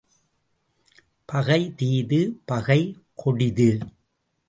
பகை தீது, பகை கொடிது.